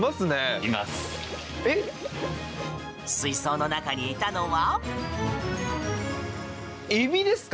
水槽の中にいたのは。